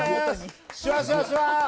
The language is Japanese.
シュワシュワシュワ！